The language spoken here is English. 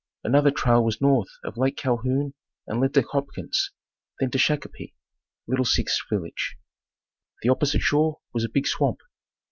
Another trail was north of Lake Calhoun and led to Hopkins, then to Shakopee, Little Six Village. The opposite shore was a big swamp.